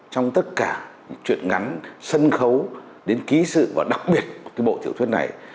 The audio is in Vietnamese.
trong tất cả chuyện ngắn sân khấu đến ký sự và đặc biệt của cái bộ tiểu thuyết này